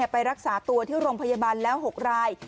ไปรักษาตัวที่โรงพยาบาลแล้ว๖ราย